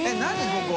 ここ。